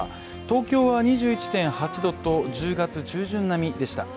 東京は２１．８度と、１０月中旬並みでした。